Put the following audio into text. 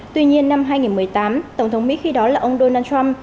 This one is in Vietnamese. tuy nhiên năm hai nghìn một mươi tám tổng thống mỹ khi đó là ông donald trump